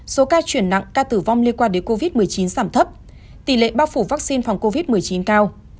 số ca chuyển nặng ca tử vong liên quan đến covid một mươi chín giảm thấp tỷ lệ bao phủ vaccine phòng covid một mươi chín cao